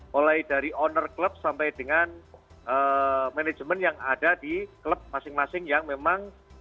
mulai dari owner klub sampai dengan manajemen yang ada di klub masing masing yang memang